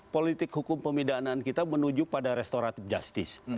politik hukum pemidanaan kita menuju pada restoratif justice